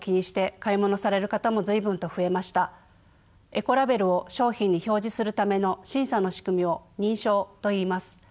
エコラベルを商品に表示するための審査の仕組みを認証といいます。